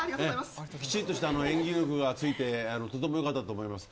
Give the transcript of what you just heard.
きちんとした演技力がついてとてもよかったと思います。